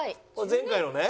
前回のね？